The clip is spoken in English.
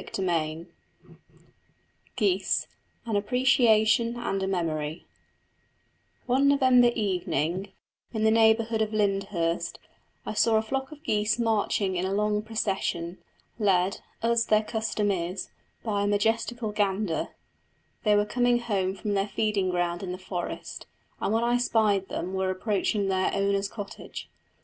CHAPTER XI GEESE: AN APPRECIATION AND A MEMORY One November evening, in the neighbourhood of Lyndhurst, I saw a flock of geese marching in a long procession, led, as their custom is, by a majestical gander; they were coming home from their feeding ground in the forest, and when I spied them were approaching their owner's cottage.